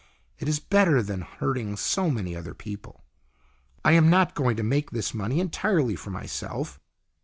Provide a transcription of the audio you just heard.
It is better than hurting so many other people. I am not going to make this money entirely for myself."